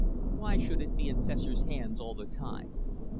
Why should it be in Fessor's hands all the time?